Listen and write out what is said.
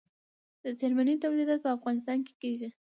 د څرمنې تولیدات په افغانستان کې کیږي